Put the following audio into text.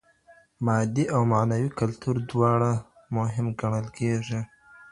مادې او معنوي کلتور دواړه مهم ګڼل کيږي.